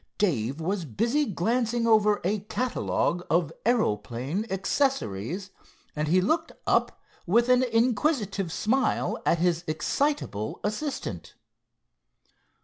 Dave was busy glancing over a catalogue of aeroplane accessories, and he looked up with an inquisitive smile at his excitable assistant.